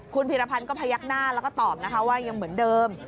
คุณพีรพันธ์ก็พยักหน้าแล้วก็ตอบนะคะว่ายังเหมือนเดิม